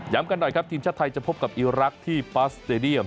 กันหน่อยครับทีมชาติไทยจะพบกับอีรักษ์ที่ปาสเตดียม